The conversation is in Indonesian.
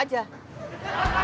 kalau begitu mendingan ikut aja